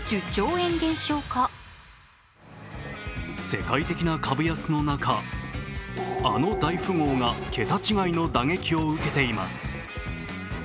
世界的な株安の中、あの大富豪が桁違いの打撃を受けています。